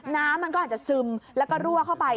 น้ำมันก็อาจจะซึมแล้วก็รั่วเข้าไป